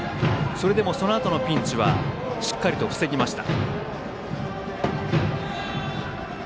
それでもそのあとのピンチはしっかりと防ぎました。